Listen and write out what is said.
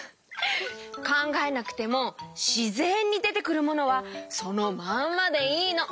かんがえなくてもしぜんにでてくるものはそのまんまでいいの。